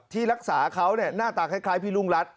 ที่รักษาเขาหน้าตาคล้ายพี่รุ่งรัฐ